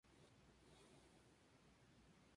Las jefaturas están situadas en cada ciudad importante.